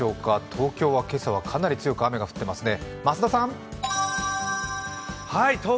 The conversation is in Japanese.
東京は今朝はかなり強く雨が降っていますね。